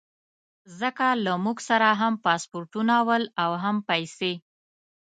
ځکه له موږ سره هم پاسپورټونه ول او هم پیسې.